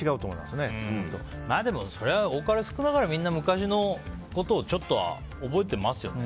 それは多かれ少なかれ昔のことをちょっとは覚えてますよね。